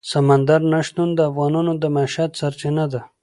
سمندر نه شتون د افغانانو د معیشت سرچینه ده.